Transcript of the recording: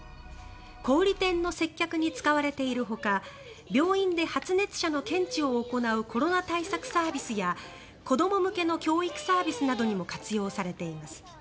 小売店の接客に使われているほか病院で発熱者の検知を行うコロナ対策サービスや子ども向けの教育サービスなどにも活用されています。